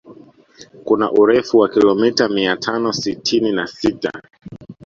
Kuna urefu wa kilomita mia tano sitini na sita